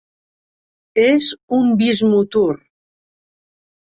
És un bismutur.